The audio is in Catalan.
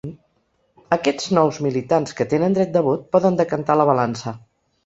Aquests nous militants, que tenen dret de vot, poden decantar la balança.